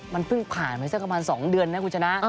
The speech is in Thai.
มันเพิ่งผ่านไปสักประมาณ๒เดือนนะคุณชนะ